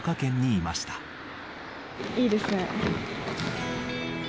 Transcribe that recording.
いいですね！